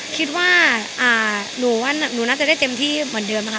คิดว่าหนูว่าหนูน่าจะได้เต็มที่เหมือนเดิมนะคะ